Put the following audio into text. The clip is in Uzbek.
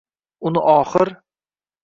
Uni oxir